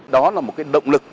đó là một cái động lực